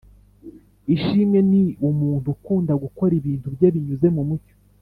Ishimwe ni umuntu ukunda gukora ibintu bye binyuze mumucyo